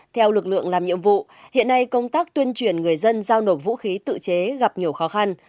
theo lực lượng làm nhiệm vụ hiện nay công tác tuyên truyền người dân giao nộp vũ khí tự chế gặp nhiều khó khăn